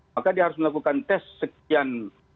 maka dia harus melakukan tes sekian